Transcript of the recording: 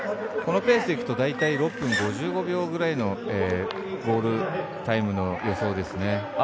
このペースでいくと６分５５秒ぐらいのゴールタイムの予想ですね。